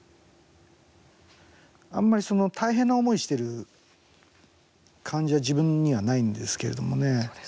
あんまり大変な思いしてる感じは自分にはないんですけれどもね。